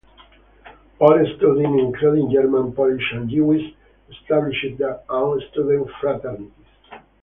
All students, including German, Polish and Jewish, established their own student fraternities.